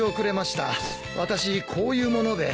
私こういう者で。